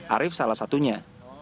arief salah satunya